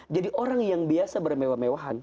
jadi orang yang biasa bermewah mewahan